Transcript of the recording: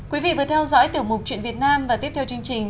quý vị vừa theo dõi tiểu mục chuyện việt nam và tiếp theo chương trình